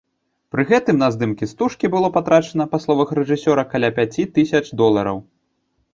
Пры гэтым на здымкі стужкі было патрачана, па словах рэжысёра, каля пяці тысяч долараў.